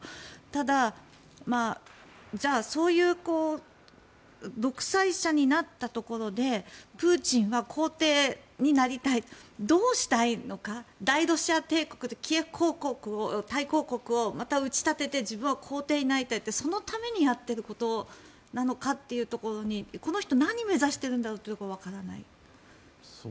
ただ、じゃあそういう独裁者になったところでプーチンは皇帝になりたいどうしたいのか、大ロシア帝国キエフ大公国をまた打ち立てて自分は皇帝になりたいとそのためにやっていることなのかというところにこの人は何を目指しているんだろうというのがわからない。